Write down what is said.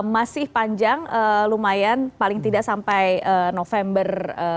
masih panjang lumayan paling tidak sampai november